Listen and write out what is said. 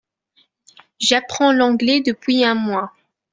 J’apprends l’anglais depuis un mois.